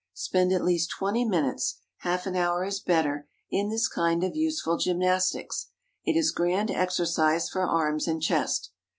Spend at least twenty minutes—half an hour is better—in this kind of useful gymnastics. It is grand exercise for arms and chest.